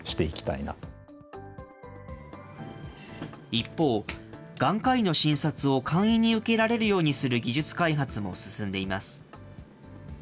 一方、眼科医の診察を簡易に受けられるようにする技術開発も進んでいます。